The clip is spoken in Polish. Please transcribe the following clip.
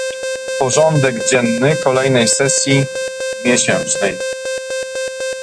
Porządek dzienny kolejnej sesji miesięcznej